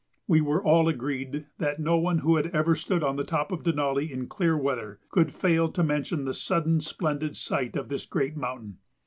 We were all agreed that no one who had ever stood on the top of Denali in clear weather could fail to mention the sudden splendid sight of this great mountain.